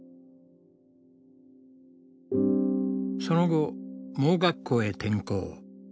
その後盲学校へ転校。